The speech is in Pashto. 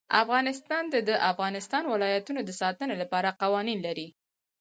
افغانستان د د افغانستان ولايتونه د ساتنې لپاره قوانین لري.